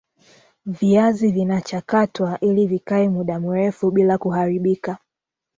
viazi vinachakatwa ili Vikae muda mrefu bila kuharibika